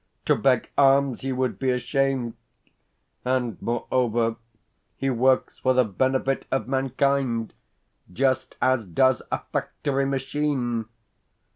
To beg alms he would be ashamed; and, moreover, he works for the benefit of mankind just as does a factory machine.